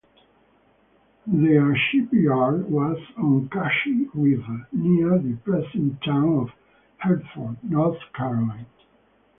Their shipyard was on Cashie river, near the present town of Hertford, North Carolina.